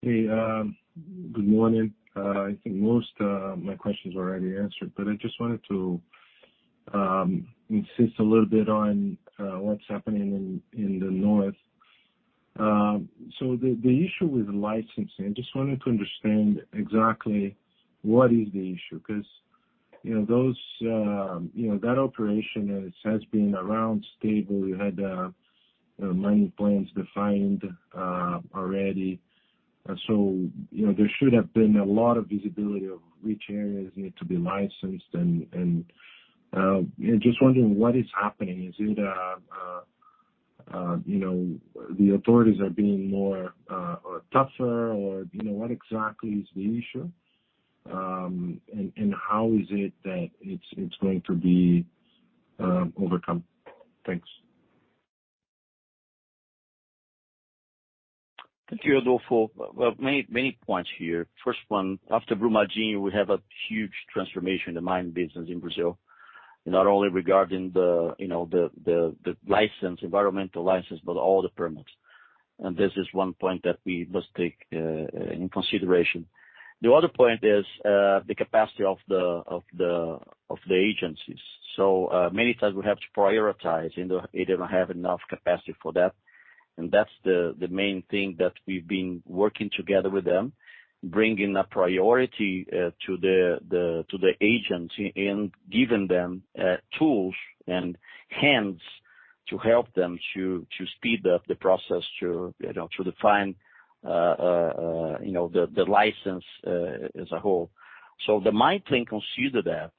Hey, good morning. I think most my questions are already answered, but I just wanted to insist a little bit on what's happening in the north. So the issue with licensing, just wanted to understand exactly what is the issue. 'Cause, you know, those, you know, that operation has been around stable. You had, you know, mining plans defined already. So, you know, there should have been a lot of visibility of which areas need to be licensed. Just wondering what is happening. Is it, you know, the authorities are being more or tougher or, you know, what exactly is the issue? And how is it that it's going to be overcome? Thanks. Thank you, Rodolfo. Well, many points here. First one, after Brumadinho, we have a huge transformation in the mining business in Brazil. Not only regarding the license, environmental license, but all the permits. This is one point that we must take in consideration. The other point is the capacity of the agencies. Many times we have to prioritize, they didn't have enough capacity for that. That's the main thing that we've been working together with them, bringing a priority to the agency and giving them tools and hands to help them to speed up the process to define the license as a whole. The mine plan consider that,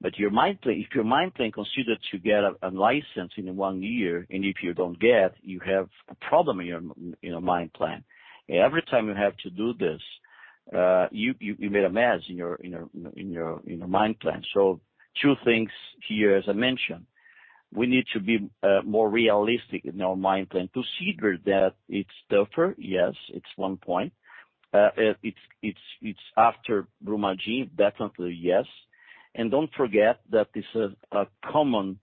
but your mine plan. If your mine plan consider to get a license in one year, and if you don't get, you have a problem in your mine plan. Every time you have to do this, you made a mess in your mine plan. Two things here as I mentioned, we need to be more realistic in our mine plan to consider that it's tougher. Yes, it's one point. It's after Brumadinho, definitely yes. Don't forget that this is a common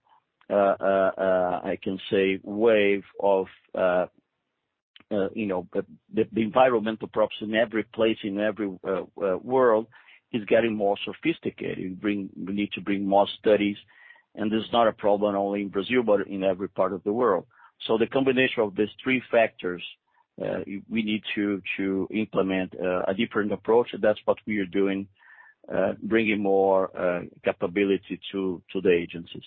I can say wave of you know the environmental push in every place in every world is getting more sophisticated. We need to bring more studies. This is not a problem only in Brazil, but in every part of the world. The combination of these three factors, we need to implement a different approach. That's what we are doing, bringing more capability to the agencies.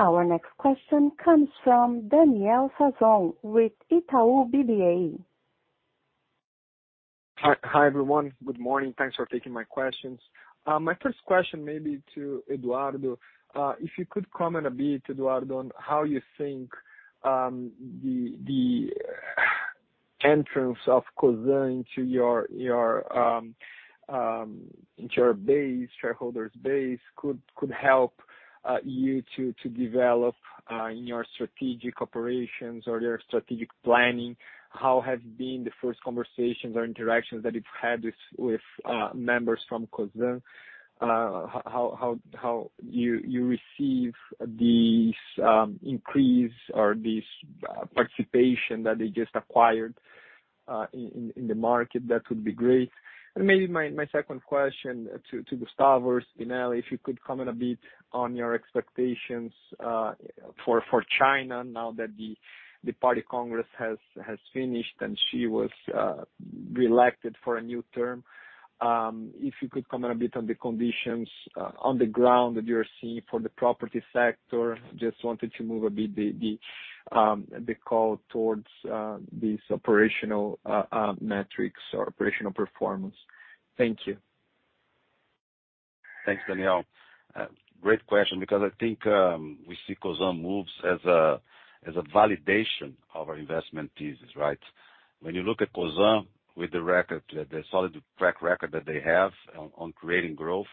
Our next question comes from Daniel Sasson with Itaú BBA. Hi, everyone. Good morning. Thanks for taking my questions. My first question may be to Eduardo. If you could comment a bit, Eduardo, on how you think the entrance of Cosan into your shareholder base could help you to develop in your strategic operations or your strategic planning. How have been the first conversations or interactions that you've had with members from Cosan? How you receive this increase or this participation that they just acquired in the market? That would be great. Maybe my second question to Gustavo or Spinelli, if you could comment a bit on your expectations for China now that the Party Congress has finished, and Xi was reelected for a new term. If you could comment a bit on the conditions on the ground that you're seeing for the property sector. Just wanted to move a bit the call towards these operational metrics or operational performance. Thank you. Thanks, Daniel. Great question because I think we see Cosan moves as a validation of our investment thesis, right? When you look at Cosan with the record, the solid track record that they have on creating growth,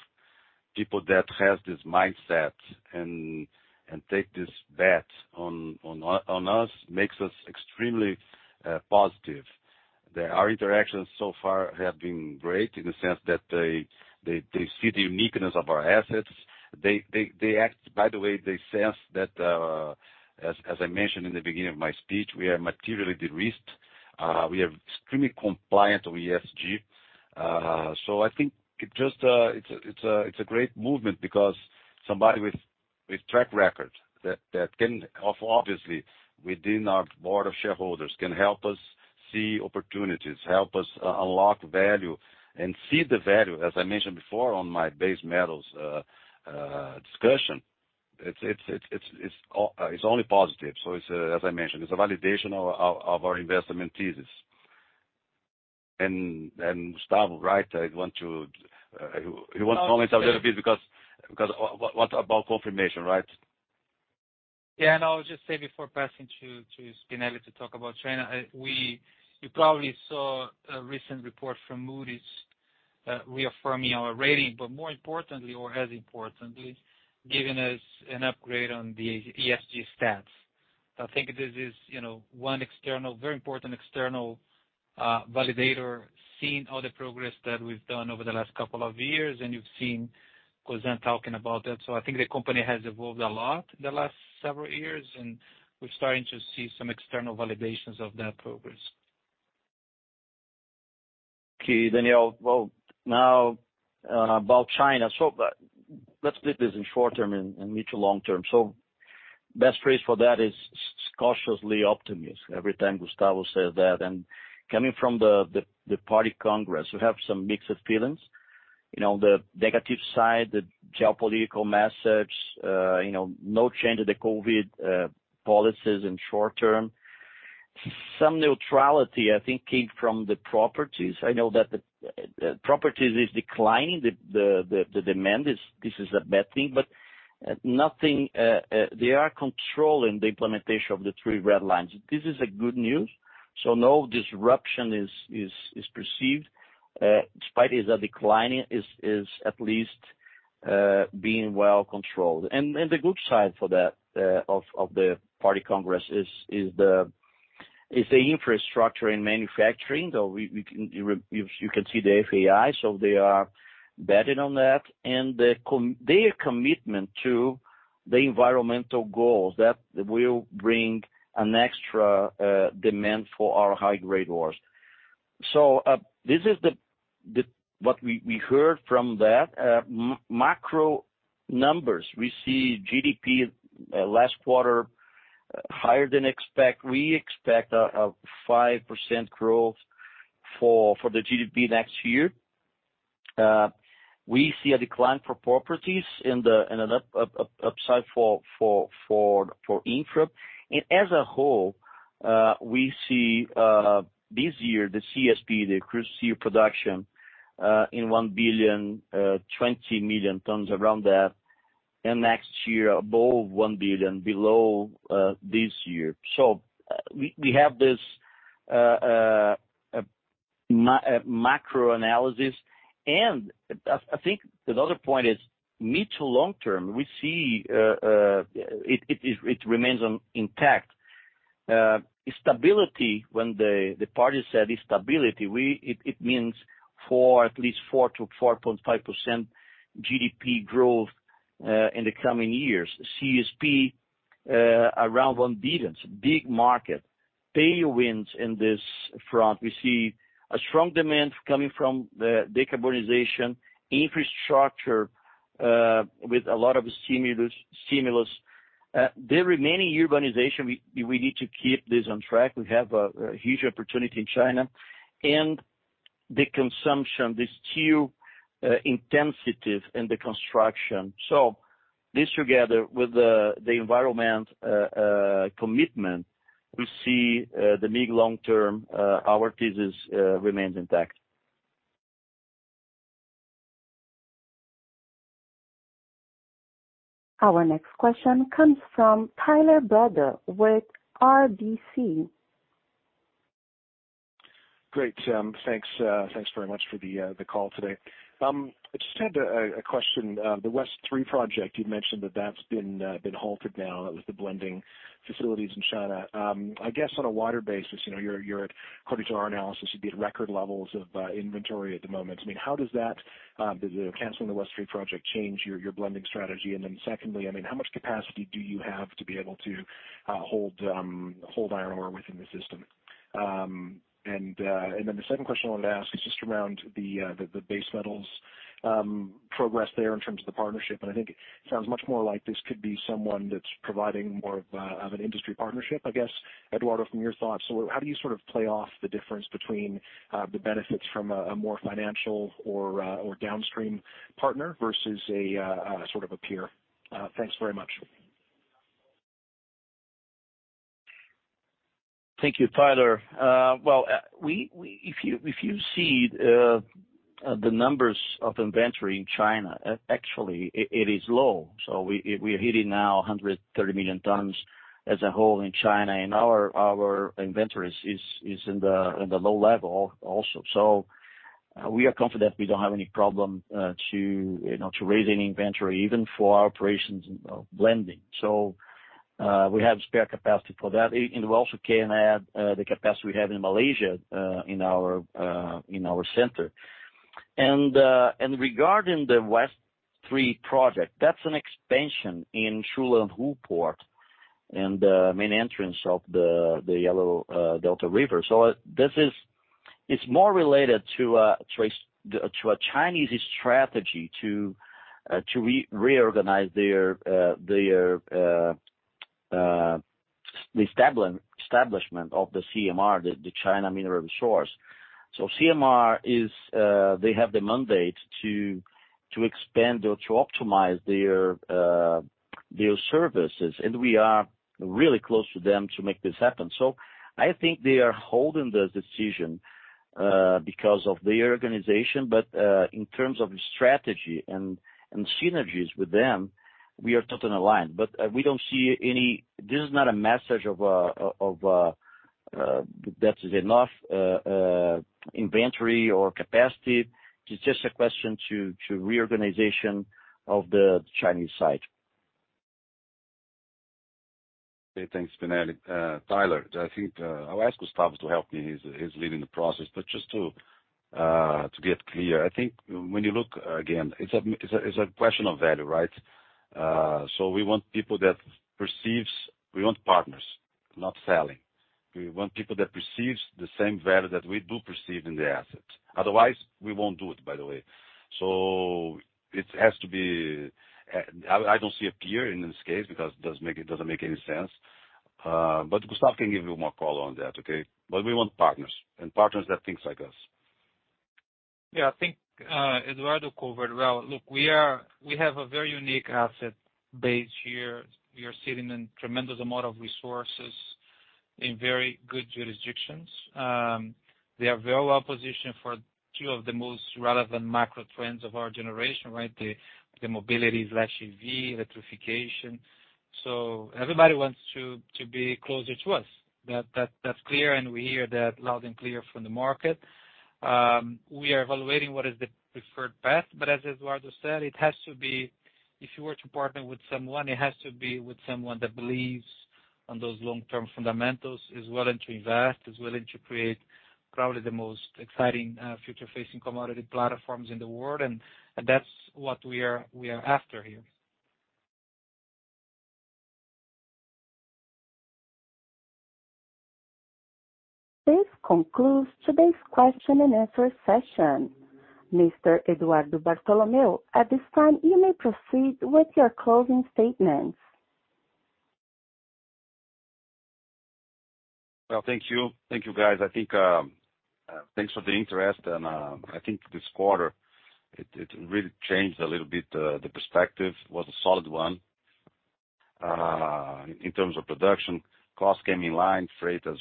people that has this mindset and take this bet on us makes us extremely positive. Our interactions so far have been great in the sense that they see the uniqueness of our assets. By the way, they sense that, as I mentioned in the beginning of my speech, we are materially de-risked. We are extremely compliant with ESG. I think it's a great movement because somebody with track record that can obviously within our board of shareholders can help us see opportunities, help us unlock value, and see the value, as I mentioned before on my Base Metals discussion. It's only positive. It's a validation of our investment thesis. Then Gustavo, right, I want you to comment a little bit because what about confirmation, right? Yeah. I'll just say before passing to Spinelli to talk about China. You probably saw a recent report from Moody's reaffirming our rating, but more importantly, or as importantly, giving us an upgrade on the ESG stats. I think this is, you know, one very important external validator seeing all the progress that we've done over the last couple of years, and you've seen Cosan talking about that. I think the company has evolved a lot in the last several years, and we're starting to see some external validations of that progress. Okay, Daniel. Well, now, about China. Let's split this in short term and mid to long term. Best phrase for that is cautiously optimistic every time Gustavo says that. Coming from the Party Congress, we have some mixed feelings. You know, the negative side, the geopolitical message, you know, no change to the COVID policies in short term. Some neutrality, I think, came from the property. I know that the property is declining, the demand is. This is a bad thing, but nothing, they are controlling the implementation of the three red lines. This is good news, so no disruption is perceived, despite it declining, it is at least being well controlled. The good side for that of the Party Congress is the infrastructure in manufacturing, though we can see the FAI, so they are betting on that. Their commitment to the environmental goals that will bring an extra demand for our high-grade ores. This is what we heard from that. Macro numbers, we see GDP last quarter higher than expected. We expect a 5% growth for the GDP next year. We see a decline for properties and an upside for infra. As a whole, we see this year, China's crude steel production in 1.02 billion tons around that, and next year above 1 billion below this year. We have this macro analysis. I think another point is mid- to long-term, we see it remains intact. Stability when the party said stability, it means at least 4-4.5% GDP growth in the coming years. CSP around one billion, big market. Tailwinds in this front. We see a strong demand coming from the decarbonization infrastructure with a lot of stimulus. The remaining urbanization, we need to keep this on track. We have a huge opportunity in China and the consumption, the steel intensity in the construction. This together with the environmental commitment, we see the mid- to long-term our thesis remains intact. Our next question comes from Tyler Broda with RBC. Great. Thanks very much for the call today. I just had a question. The West 3 project, you mentioned that that's been halted now with the blending facilities in China. I guess on a wider basis, you know, you're according to our analysis, you'd be at record levels of inventory at the moment. I mean, how does that, the canceling the West 3 project change your blending strategy? Secondly, I mean, how much capacity do you have to be able to hold iron ore within the system? The second question I wanted to ask is just around the base metals progress there in terms of the partnership. I think it sounds much more like this could be someone that's providing more of an industry partnership, I guess. Eduardo, from your thoughts. How do you sort of play off the difference between the benefits from a more financial or downstream partner versus a sort of a peer? Thanks very much. Thank you, Tyler. Well, if you see the numbers of inventory in China, actually it is low. We are hitting now 130 million tons as a whole in China, and our inventory is in the low level also. We are confident we don't have any problem to raise any inventory even for our operations blending. We have spare capacity for that. You know, to raise any inventory even for our operations blending. We also can add the capacity we have in Malaysia in our center. Regarding the West 3 project, that's an expansion in Shulanghu Port and the main entrance of the Yellow River Delta. It's more related to a Chinese strategy to reorganize their establishment of the CMRG, the China Mineral Resources Group. CMRG is they have the mandate to expand or to optimize their services. We are really close to them to make this happen. I think they are holding the decision because of their organization. In terms of strategy and synergies with them, we are totally aligned, but we don't see any. This is not a message of that is enough inventory or capacity. It's just a question to reorganization of the Chinese side. Okay. Thanks, Spinelli. Tyler, I think I'll ask Gustavo to help me. He's leading the process. Just to get clear. I think when you look again, it's a question of value, right? We want partners, not selling. We want people that perceives the same value that we do perceive in the assets. Otherwise we won't do it, by the way. It has to be. I don't see a peer in this case because it doesn't make any sense. Gustavo can give you more color on that, okay? We want partners and partners that thinks like us. Yeah, I think Eduardo covered well. Look, we have a very unique asset base here. We are sitting in tremendous amount of resources in very good jurisdictions. They are very well positioned for two of the most relevant macro trends of our generation, right? The mobility/EV electrification. So everybody wants to be closer to us. That's clear. We hear that loud and clear from the market. We are evaluating what is the preferred path. But as Eduardo said, it has to be, if you were to partner with someone, it has to be with someone that believes on those long-term fundamentals, is willing to invest, is willing to create probably the most exciting, future facing commodity platforms in the world. That's what we are after here. This concludes today's question and answer session. Mr. Eduardo Bartolomeo, at this time you may proceed with your closing statements. Well, thank you. Thank you, guys. I think, thanks for the interest and, I think this quarter, it really changed a little bit, the perspective. It was a solid one, in terms of production. Cost came in line. Freight, as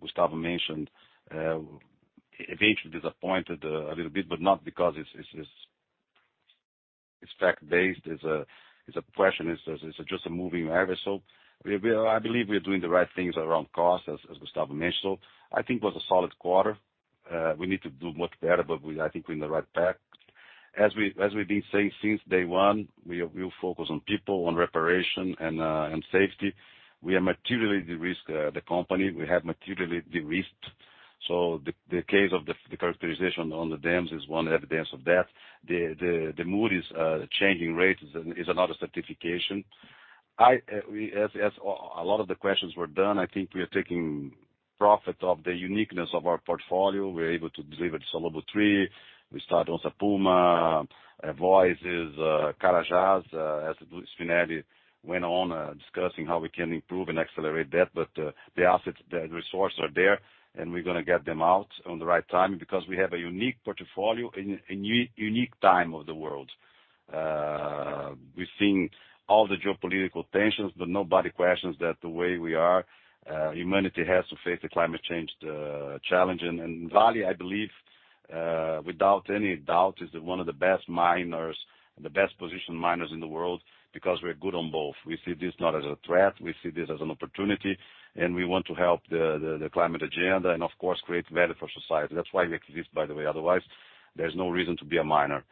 Gustavo mentioned, eventually disappointed a little bit, but not because it's fact-based. It's a question. It's just a moving average. I believe we are doing the right things around cost, as Gustavo mentioned. I think it was a solid quarter. We need to do much better, but I think we're in the right path. As we've been saying since day one, we'll focus on people, on reparation and safety. We have materially de-risked the company. We have materially de-risked. The case of the characterization on the dams is one evidence of that. The mood is changing rates is another certification. As a lot of the questions were done, I think we are taking profit of the uniqueness of our portfolio. We're able to deliver at Salobo III. We start Onça Puma, Voisey's Bay, Carajás. As Spinelli went on discussing how we can improve and accelerate that. The assets, the resources are there, and we're gonna get them out on the right time because we have a unique portfolio in unique time of the world. We've seen all the geopolitical tensions, but nobody questions that the way we are, humanity has to face the climate change, the challenge. Vale, I believe, without any doubt, is one of the best miners and the best positioned miners in the world because we're good on both. We see this not as a threat, we see this as an opportunity, and we want to help the climate agenda and of course, create value for society. That's why we exist, by the way. Otherwise, there's no reason to be a miner.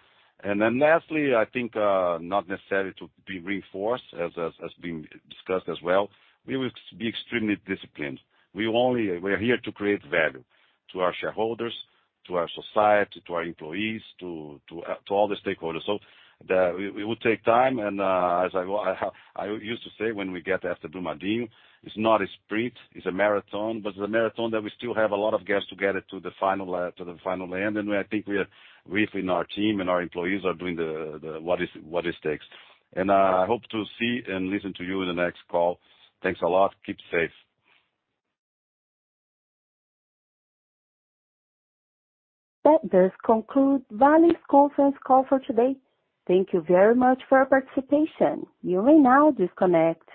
Then lastly, I think, not necessarily to be reinforced as has been discussed as well. We will be extremely disciplined. We're here to create value to our shareholders, to our society, to our employees, to all the stakeholders. We will take time and, as I used to say when we get asked at Brumadinho, it's not a sprint, it's a marathon. It's a marathon that we still have a lot of gas to get it to the final end. I think we believe in our team and our employees are doing what it takes. I hope to see and listen to you in the next call. Thanks a lot. Keep safe. That does conclude Vale's conference call for today. Thank you very much for your participation. You may now disconnect.